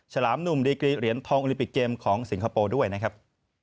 ฉลามหนุ่มดีกรีเหรียญทองโอลิปิกเกมของสิงคโปร์ด้วยนะครับ